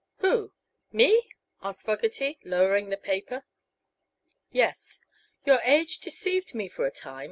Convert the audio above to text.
"Who? me?" asked Fogerty, lowering the paper. "Yes. Your age deceived me for a time.